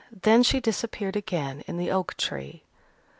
Then she disappeared again in the oak tree.